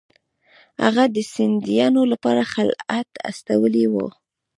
هغه د سیندیا لپاره خلعت استولی وو.